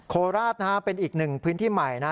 โคราชนะฮะเป็นอีกหนึ่งพื้นที่ใหม่นะ